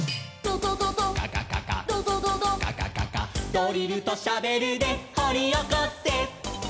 「ドリルとシャベルでほりおこせ」